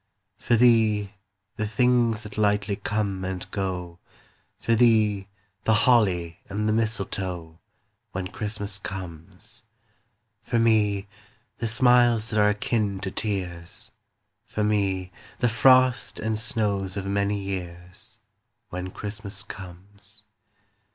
For thee, the things that lightly come and go, For thee, the holly and the mistletoe, When Christmas comes. For me, the smiles that are akin to tears, For me, the frost and snows of many years, When Christmas comes.